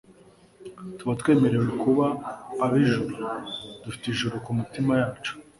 Tuba twemerewe kuba ab'ijuru, dufite ijuru mu mitima yacu.